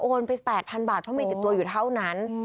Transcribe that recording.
ไป๘๐๐บาทเพราะมีติดตัวอยู่เท่านั้น